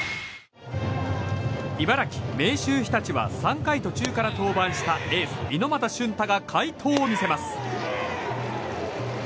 茨城・明秀日立は３回途中から登板したエース、猪俣駿太が快投を見せます。